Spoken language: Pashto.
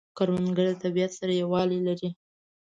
کروندګر د طبیعت سره یووالی لري